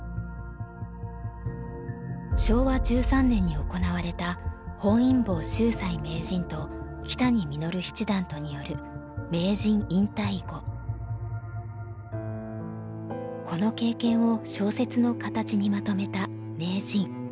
昭和１３年に行われた本因坊秀哉名人と木谷實七段とによるこの経験を小説の形にまとめた「名人」。